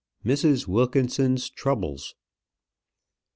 MRS. WILKINSON'S TROUBLES.